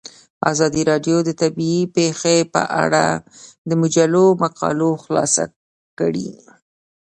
ازادي راډیو د طبیعي پېښې په اړه د مجلو مقالو خلاصه کړې.